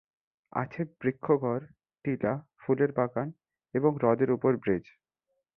আছে বৃক্ষ-ঘর, টিলা, ফুলের বাগান এবং হ্রদের ওপর ব্রিজ।